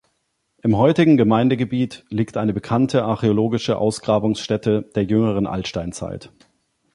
Im heutigen Gemeindegebiet liegt eine bekannte archäologische Ausgrabungsstätte der jüngeren Altsteinzeit.